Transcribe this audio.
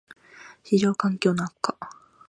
① 市場環境の悪化